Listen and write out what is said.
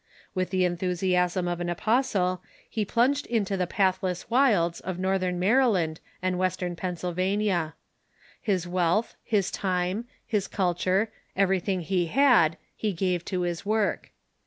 With the enthusiasm of an apostle he plunged into the pathless wilds of northern Maryland and western Pennsylvania. His wealth, his time, his culture, everything he had, he gave to this work.